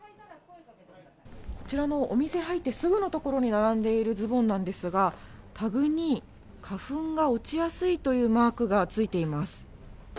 こちらのお店入ってすぐの所に並んでいるズボンなんですが、タグに花粉が落ちやすいというマークがついています。